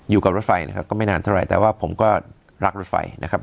อยู่กับรถไฟนะครับก็ไม่นานเท่าไหร่แต่ว่าผมก็รักรถไฟนะครับ